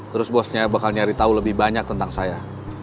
terus bosnya bakal nyari tahu lebih banyak tentang saya